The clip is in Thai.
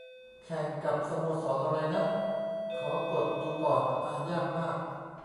แข่งกับสโมสรไรนะ ขอกดดูก่อน อ่านยากมาก